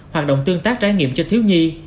hoạt động tương tác trải nghiệm cho thiếu nhi